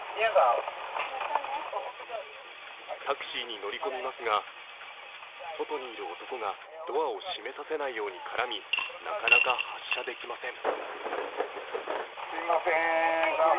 タクシーに乗り込みますが外にいる男がドアを閉めさせないように絡みなかなか発車できません。